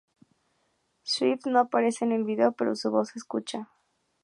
Swift no aparece en el vídeo, pero su voz se escucha.